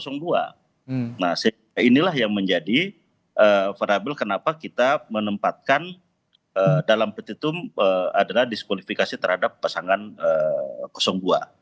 nah inilah yang menjadi variable kenapa kita menempatkan dalam petitum adalah diskualifikasi terhadap pasangan dua